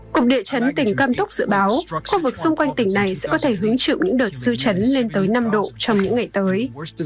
cục địa chấn tỉnh cam túc dự báo khu vực xung quanh tỉnh này sẽ có thể hứng chịu những đợt dư chấn lên tới năm độ trong những ngày tới